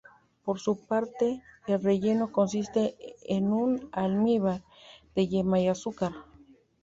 Por su parte, el relleno consiste en un almíbar de yema y azúcar.